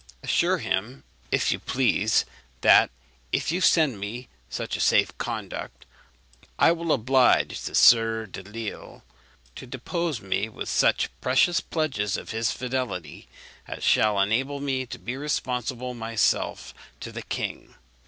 Assure him, if you please, that, if you send me such a safe conduct, I will oblige the Sieur Delisle to depose with me such precious pledges of his fidelity as shall enable me to be responsible myself to the king.